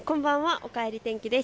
おかえり天気です。